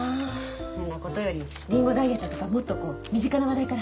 そんなことよりリンゴダイエットとかもっとこう身近な話題から入れば？